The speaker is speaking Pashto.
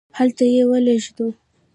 هلته یې ولیږدوو.